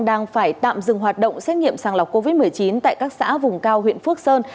đang phải tạm dừng hoạt động xét nghiệm sàng lọc covid một mươi chín tại các xã vùng cao huyện phước sơn